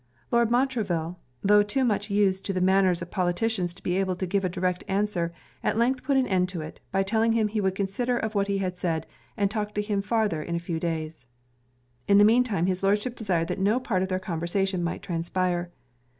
Lord Montreville, tho' too much used to the manners of politicians to be able to give a direct answer, at length put an end to it, by telling him he would consider of what he had said, and talk to him farther in a few days. In the mean time his Lordship desired that no part of their conversation might transpire.